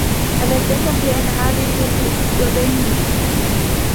أَمَدَّكُم بِأَنعامٍ وَبَنينَ